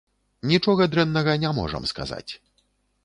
Нічога дрэннага не можам сказаць.